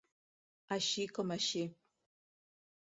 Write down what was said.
Així com així.